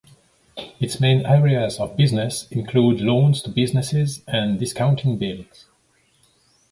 Its main areas of business include loans to businesses and discounting bills.